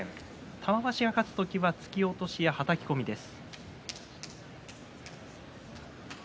玉鷲が勝つ時は突き落としやはたき込みです。